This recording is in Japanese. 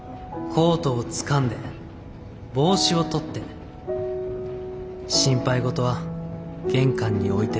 「コートをつかんで帽子を取って心配事は玄関に置いて」。